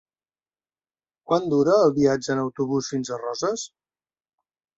Quant dura el viatge en autobús fins a Roses?